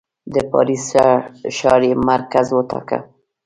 د پاریس ښار یې مرکز وټاکه.